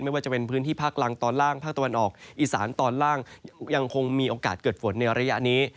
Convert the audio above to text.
ไม่ว่าจะเป็นพื้นที่ภาคลังตอนล่างภาคตะวันออกอีสานตอนล่างยังคงมีโอกาสเกิดฝนในระยะนี้